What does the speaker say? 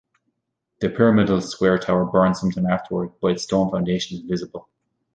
The pyramidal square tower burned sometime afterward, but its stone foundation is visible.